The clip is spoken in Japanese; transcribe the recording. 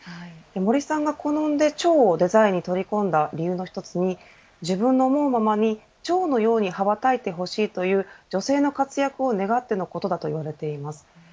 森さんが好んで蝶をデザインに取り込んだ理由の一つに自分が思うままに蝶のように羽ばたいてほしいという女性の活躍を願ってのことだと言われています。